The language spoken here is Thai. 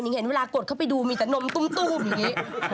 เห็นเวลากดเข้าไปดูมีแต่นมตุ้มอย่างนี้